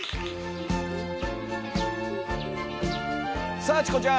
さあチコちゃん！